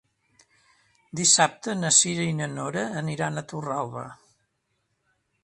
Dissabte na Cira i na Nora aniran a Torralba.